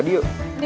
dia penyanyi radio